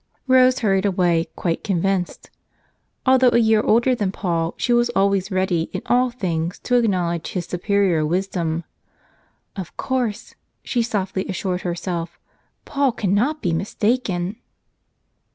Rose hurried away, quite convinced. Although a year older than Paul, she was always ready in all things to acknowledge his superior wisdom. "Of course," she softly assured herself, "Paul cannot be mistaken."